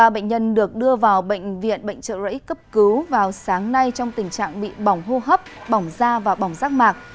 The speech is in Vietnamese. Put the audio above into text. ba bệnh nhân được đưa vào bệnh viện bệnh trợ rẫy cấp cứu vào sáng nay trong tình trạng bị bỏng hô hấp bỏng da và bỏng rác mạc